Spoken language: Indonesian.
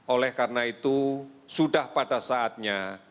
oleh karena itu sudah pada saatnya